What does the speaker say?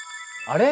「あれ？